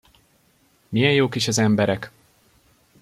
Milyen jók is az emberek!